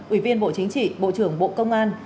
ủy viên bộ chính trị bộ trưởng bộ công an